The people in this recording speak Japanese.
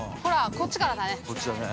こっちからだね。